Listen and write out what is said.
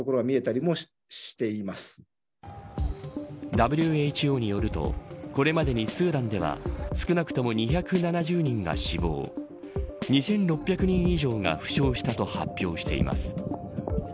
ＷＨＯによるとこれまでにスーダンでは少なくとも２７０人が死亡２６００人以上が負傷したと発表しています。